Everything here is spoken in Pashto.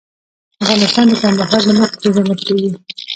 افغانستان د کندهار له مخې پېژندل کېږي.